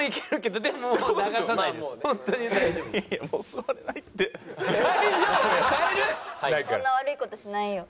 そんな悪い事しないよ。